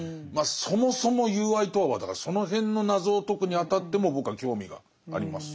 そもそも友愛とはだからその辺の謎を解くにあたっても僕は興味があります。